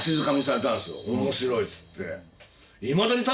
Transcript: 面白いっつって。